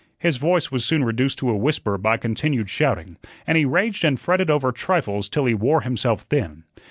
His voice was soon reduced to a whisper by continued shouting, and he raged and fretted over trifles till he wore himself thin.